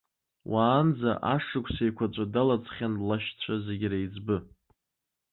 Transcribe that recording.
Уаанӡа ашықәсеиқәаҵәа далаӡхьан лашьцәа зегь реиҵбы.